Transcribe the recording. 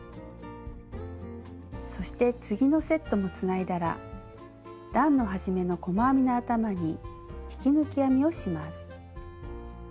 そして次のセットもつないだら段の始めの細編みの頭に引き抜き編みをします。